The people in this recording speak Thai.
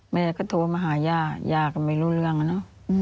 แม่ก็โทรมาหาย่าย่าก็ไม่รู้เรื่อง